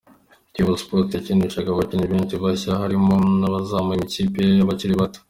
Kiyovu Sports yakinishaga abakinnyi benshi bashya harimo n’abazamuwe mu ikipe y’abakiri bato.